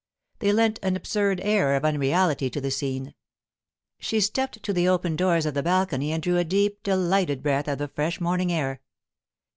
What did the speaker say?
They lent an absurd air of unreality to the scene. She stepped to the open doors of the balcony and drew a deep, delighted breath of the fresh morning air.